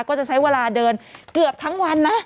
ก็จะใช้เวลาเดินเกือบทั้งวันนะ